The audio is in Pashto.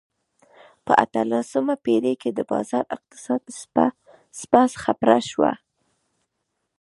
په اتلسمه پېړۍ کې د بازار اقتصاد څپه خپره شوه.